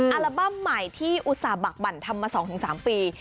อัลบั้มใหม่ที่อุตส่าหบักบั่นทำมา๒๓ปี